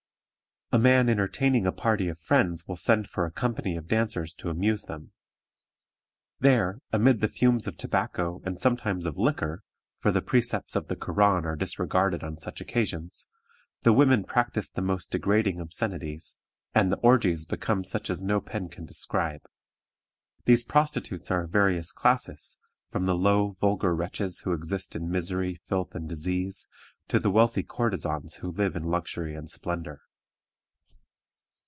A man entertaining a party of friends will send for a company of dancers to amuse them. There, amid the fumes of tobacco, and sometimes of liquor (for the precepts of the Koran are disregarded on such occasions), the women practice the most degrading obscenities, and the orgies become such as no pen can describe. These prostitutes are of various classes, from the low, vulgar wretches who exist in misery, filth, and disease, to the wealthy courtesans who live in luxury and splendor.